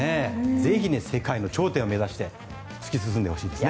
ぜひ、世界の頂点を目指して突き進んでほしいです。